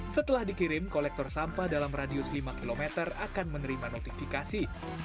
setelah dikirim kolektor sampah dalam radius lima km akan menerima notifikasi